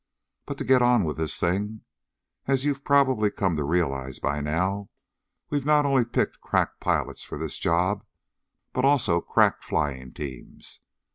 But to get on with this thing. As you've probably come to realize by now, we've not only picked crack pilots for this job, but also crack flying teams.